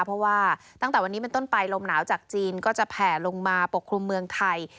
เพราะว่าตั้งแต่วันนี้เป็นต้นไปลมหนาวจากจีนก็จะแผ่ลงมาปกคลุมเมืองไทย